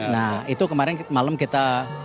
nah itu kemarin malam kita